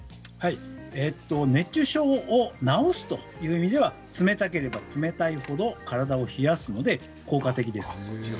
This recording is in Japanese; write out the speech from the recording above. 熱中症を治すという意味では冷たければ冷たいほど体を冷やすので効果的です。